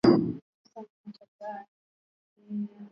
Imeendelea kufundisha lugha ya kiswahili na lugha za